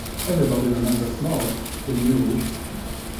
Everybody remembers Maud, the mule.